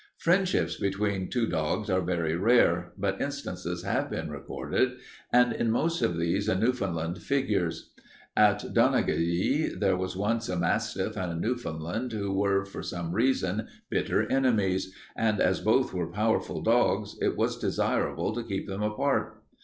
"Friendships between two dogs are very rare, but instances have been recorded, and in most of these a Newfoundland figures. At Donaghadee there was once a mastiff and a Newfoundland who were, for some reason, bitter enemies, and as both were powerful dogs, it was desirable to keep them apart.